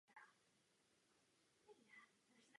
Můžeme ho nalézt od června do října.